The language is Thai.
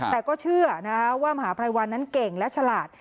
แต่ก็เชื่อนะว่ามหาภัยวันนั้นเก่งและฉลาด